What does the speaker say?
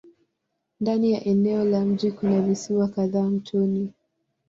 Ndani ya eneo la mji kuna visiwa kadhaa mtoni.